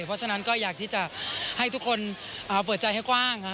เพราะฉะนั้นก็อยากที่จะให้ทุกคนเปิดใจให้กว้าง